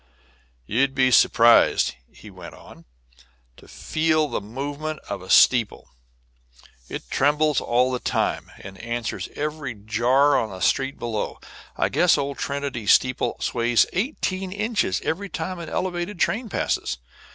"You would be surprised," he went on, "to feel the movement of a steeple. It trembles all the time, and answers every jar on the street below. I guess old Trinity's steeple sways eighteen inches every time an elevated train passes.